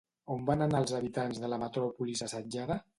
On van anar els habitants de la metròpolis assetjada?